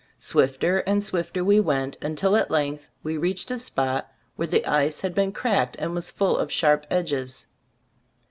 Swifter and swifter we went, until at length we reached a spot where the ice had been cracked and was full of sharp edges.